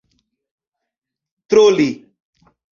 troli